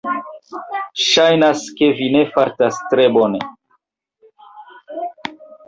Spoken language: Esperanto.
Ŝajnas, ke vi ne fartas tre bone.